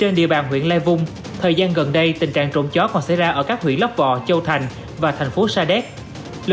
công an huyện lai vung cũng vô bắt được hai đối tượng gây ra hai vụ trộm chó trên địa bàn huyện